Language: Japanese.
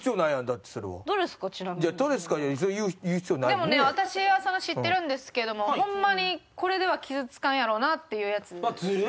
でもね私は知ってるんですけどもホンマにこれでは傷つかんやろなっていうやつですね。